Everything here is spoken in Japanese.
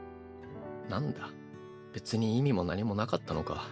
なんだ別に意味も何もなかったのか。